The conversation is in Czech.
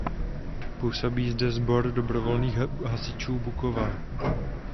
Působí zde Sbor dobrovolných hasičů Buková.